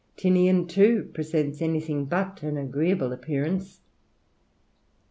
Tinian, too, presents anything but an agreeable appearance.